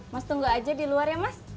mas tunggu aja di luar ya mas